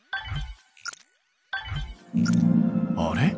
あれ？